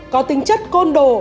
có tính chất côn đồ